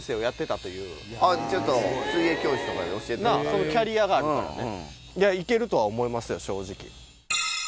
男はキャリアがあるからね。